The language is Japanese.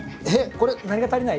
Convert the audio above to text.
これ何が足りない？